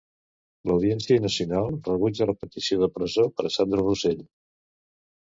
L'Audiència Nacional rebutja la petició de presó per a Sandro Rosell.